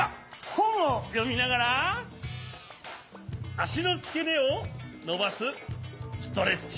ほんをよみながらあしのつけねをのばすストレッチ。